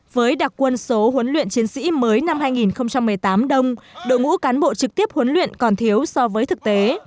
với đặc quân số huấn luyện chiến sĩ mới năm hai nghìn một mươi tám đông đội ngũ cán bộ trực tiếp huấn luyện còn thiếu so với thực tế